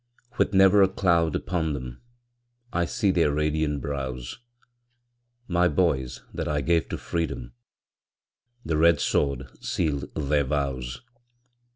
With never a cloud upon them, I see their radiant brows; My boys that I gave to freedom, The red sword sealed their vows!